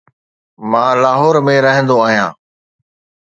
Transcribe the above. مان لاهور ۾ رهندو آهيان